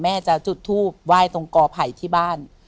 แม่จะจุดทูบไหว้ตรงกอไผ่ที่บ้าน